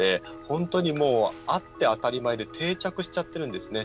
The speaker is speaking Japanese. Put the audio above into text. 本当に、あって当たり前で定着しちゃっているんですね。